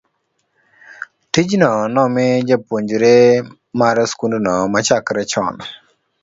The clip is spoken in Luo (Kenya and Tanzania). tijno nomi japuonj mar skundno machakre chon